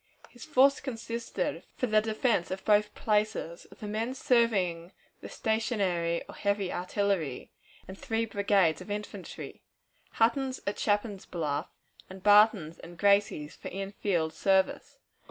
His force consisted, for the defense of both places, of the men serving the stationary or heavy artillery, and three brigades of infantry Hunton's at Chapin's Bluff, and Barton's and Gracie's for field service.